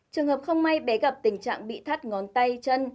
trường hợp không may bé gặp tình trạng bị thắt ngón tay chân